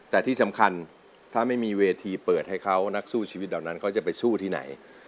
แต่ที่สำคัญถ้าไม่มีเวทีเปิดให้เขานักสู้ชีวิตเหล่านั้นเขาจะไปสู้ที่ไหน